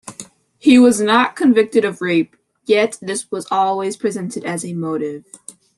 He was not convicted of rape yet this was always presented as a motive.